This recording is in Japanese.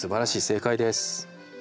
正解です。